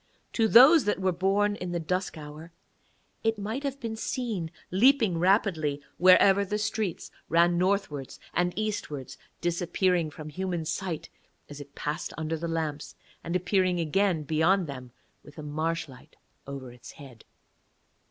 To those that were born in the dusk hour it might have been seen leaping rapidly wherever the streets ran northwards and eastwards, disappearing from human sight as it passed under the lamps and appearing again beyond them with a marsh light over its head.